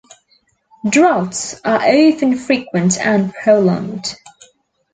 Droughts are often frequent and prolonged.